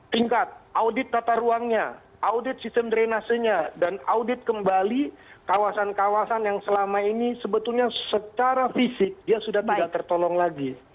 tingkat audit tata ruangnya audit sistem drenasenya dan audit kembali kawasan kawasan yang selama ini sebetulnya secara fisik dia sudah tidak tertolong lagi